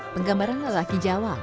penggambaran lelaki jawa